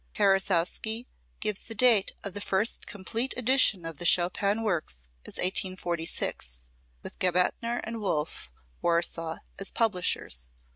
Karasowski gives the date of the first complete edition of the Chopin works as 1846, with Gebethner & Wolff, Warsaw, as publishers.